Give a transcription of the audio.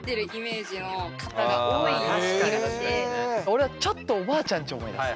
俺はちょっとおばあちゃんち思い出す。